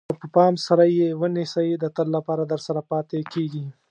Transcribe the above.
که په پام سره یې ونیسئ د تل لپاره درسره پاتې کېږي.